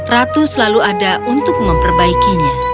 ratu selalu ada untuk memperbaikinya